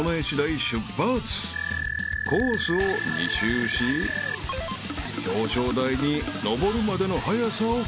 ［コースを２周し表彰台に上るまでの速さを競っていただく］